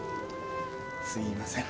すいません。